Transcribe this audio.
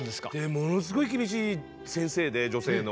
ものすごい厳しい先生で女性の。